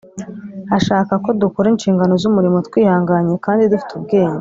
ashaka ko dukora inshingano z’umurimo twihanganye kandi dufite ubwenge